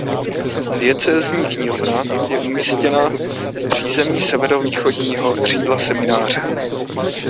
Diecézní knihovna je umístěna v přízemí severovýchodního křídla semináře.